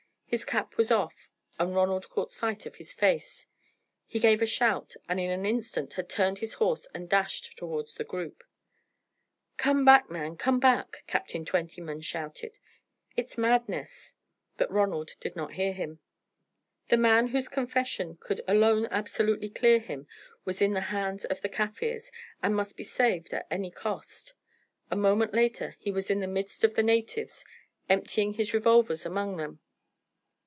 His cap was off, and Ronald caught sight of his face. He gave a shout, and in an instant had turned his horse and dashed towards the group. "Come back, man, come back!" Captain Twentyman shouted. "It's madness!" But Ronald did not hear him. The man whose confession could alone absolutely clear him was in the hands of the Kaffirs, and must be saved at any cost. A moment later he was in the midst of the natives, emptying his revolvers among them.